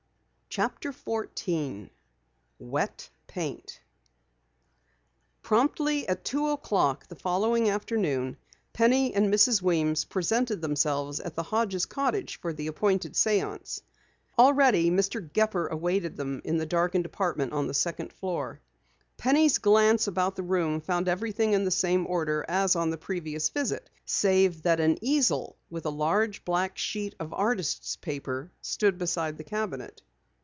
CHAPTER 14 WET PAINT Promptly at two o'clock the following afternoon, Penny and Mrs. Weems presented themselves at the Hodges' cottage for the appointed séance. Already Mr. Gepper awaited them in the darkened apartment on the second floor. Penny's glance about the room found everything in the same order as upon the previous visit, save that an easel with a large black sheet of artist's paper stood beside the cabinet.